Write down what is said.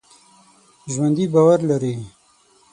ژوندي باور لري